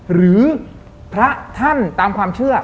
หรือพระท่านตามความเชื่อ